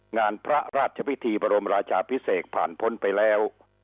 งานพระราชพิธีบรมราชาพิเศษผ่านพ้นไปแล้ว